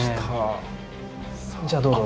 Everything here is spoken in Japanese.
じゃあどうぞ。